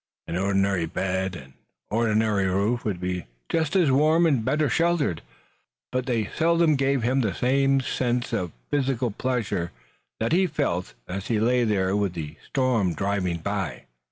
An ordinary bed and an ordinary roof would be just as warm and better sheltered, but they seldom gave him the same sense of physical pleasure that he felt as he lay there with the storm driving by.